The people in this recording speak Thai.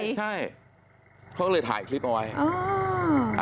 ใช่เขาก็เลยถ่ายคลิปเอาไว้